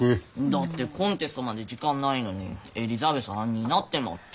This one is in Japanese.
だってコンテストまで時間ないのにエリザベスあんなになってまって。